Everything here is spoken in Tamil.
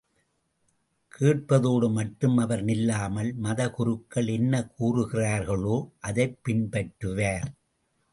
கேட்பதோடு மட்டும் அவர் நில்லாமல், மதகுருக்கள் என்ன கூறுகிறார்களோ அதைப் பின்பற்றுவார்.